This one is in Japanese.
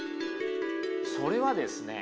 それはですね